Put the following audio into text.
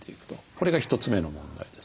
これが一つ目の問題です。